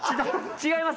違います。